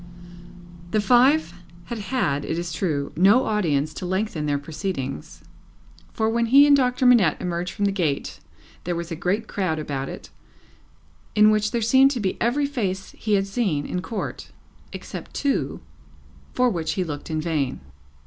The five had had, it is true, no audience to lengthen their proceedings, for when he and Doctor Manette emerged from the gate, there was a great crowd about it, in which there seemed to be every face he had seen in Court except two, for which he looked in vain.